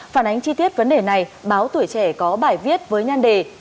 phản ánh chi tiết vấn đề này báo tuổi trẻ có bài viết với nhan đề